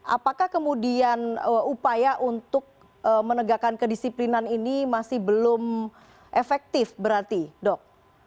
apakah kemudian upaya untuk menegakkan kedisiplinan ini masih belum efektif berarti dok